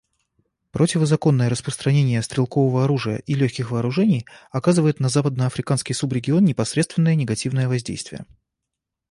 Противозаконное распространение стрелкового оружия и легких вооружений оказывает на западноафриканский субрегион непосредственное негативное воздействие.